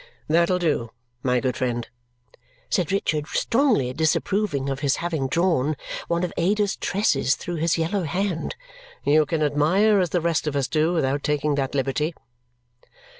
"That'll do, my good friend!" said Richard, strongly disapproving of his having drawn one of Ada's tresses through his yellow hand. "You can admire as the rest of us do without taking that liberty."